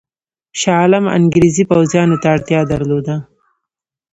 شاه عالم انګرېزي پوځیانو ته اړتیا درلوده.